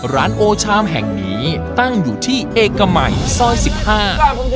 ร้านโอชามแห่งนี้ตั้งอยู่ที่เอกมัยซอยสิบห้าครับ